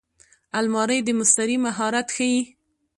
الماري د مستري مهارت ښيي